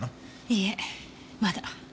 いいえまだ。